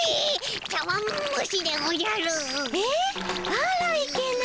あらいけない。